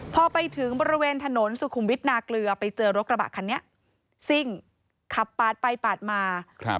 พอไปถึงบริเวณถนนสุขุมวิทย์นาเกลือไปเจอรถกระบะคันนี้ซิ่งขับปาดไปปาดมา